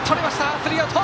スリーアウト！